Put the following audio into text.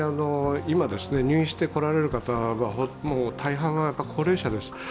今、入院してこられる方の大半は高齢者です。